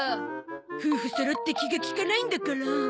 夫婦そろって気が利かないんだから。